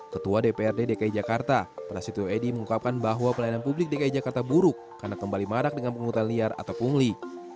ketua dprd dki jakarta prasetyo edy mengungkapkan bahwa pelayanan publik dki jakarta buruk karena kembali marak dengan penghutang liar atau pungli